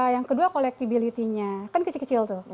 yang kedua collectability nya kan kecil kecil tuh